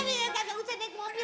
gak usah naik mobil be